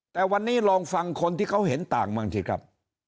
แต่วันนี้ลองฟังคนที่เขาเห็นต่างบ้างสิครับ